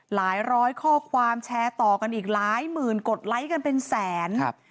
หลายร้อยข้อความแชร์ต่อกันอีกหลายหมื่นกดไลค์กันเป็นแสนครับ